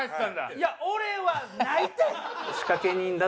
いや俺はないて！